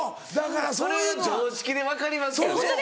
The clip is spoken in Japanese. それは常識で分かりますけどね。